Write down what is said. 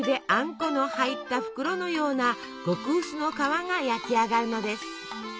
この入った袋のような極薄の皮が焼き上がるのです。